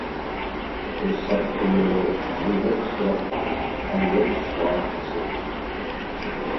ئۇ ساپ كۈن نۇرى، مۇنبەت تۇپراق، ئەلۋەك سۇغا تەشنا!